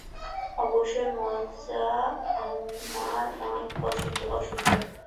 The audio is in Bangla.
অবশ্যই, মজা আমার অনেক পছন্দ।